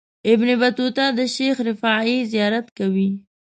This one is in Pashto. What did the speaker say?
ابن بطوطه د شیخ رفاعي زیارت کوي.